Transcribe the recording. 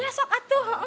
iya sok atu